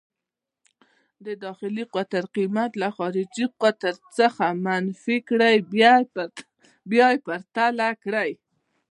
د داخلي قطر قېمت له خارجي قطر څخه منفي کړئ، بیا پرتله یې کړئ.